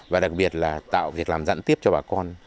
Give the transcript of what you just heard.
và đặc biệt là tạo việc làm dẫn tiếp cho bà con